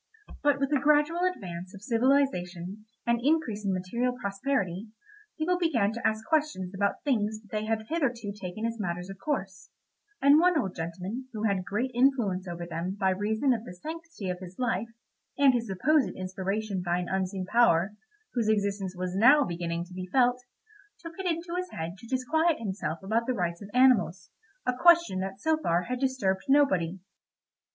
But with the gradual advance of civilisation and increase in material prosperity, people began to ask questions about things that they had hitherto taken as matters of course, and one old gentleman, who had great influence over them by reason of the sanctity of his life, and his supposed inspiration by an unseen power, whose existence was now beginning to be felt, took it into his head to disquiet himself about the rights of animals—a question that so far had disturbed nobody.